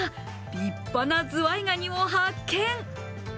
立派なズワイガニを発見。